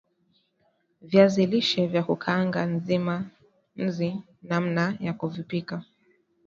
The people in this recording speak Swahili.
Viazi lishe vya kukaanga nz namna ya kuvipika